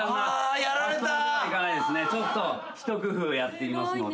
ちょっと一工夫やっていますので。